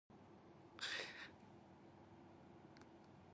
A Connecticut native, Winfield met her husband at a Dixieland concert.